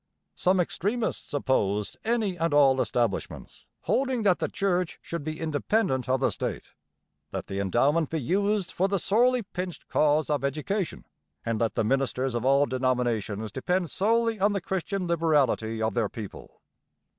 Some extremists opposed any and all establishments, holding that the church should be independent of the state. Let the endowment be used for the sorely pinched cause of education, and let the ministers of all denominations depend solely on the Christian liberality of their people.